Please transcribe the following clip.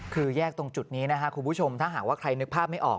คือแยกตรงจุดนี้นะครับคุณผู้ชมถ้าหากว่าใครนึกภาพไม่ออก